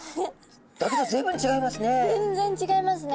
だけど随分違いますね。